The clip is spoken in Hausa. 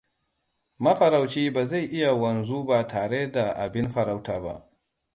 Mafaraucin ba zai iya wanzu ba tare da abin farauta ba.